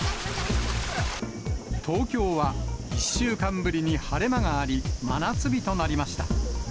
東京は１週間ぶりに晴れ間があり、真夏日となりました。